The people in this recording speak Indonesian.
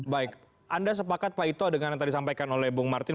baik anda sepakat pak ito dengan yang tadi disampaikan oleh bung martin